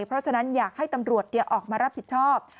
เพราะฉะนั้นอยากให้ตำรวจออกมารับผิดชอบ